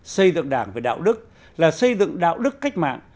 xây dựng đảng về đạo đức là xây dựng đạo đức cách mạng